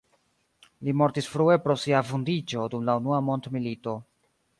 Li mortis frue pro sia vundiĝo dum la unua mondmilito.